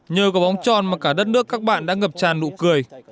nhờ có bóng tròn mà cả đất nước các bạn đã ngập tràn nụ cười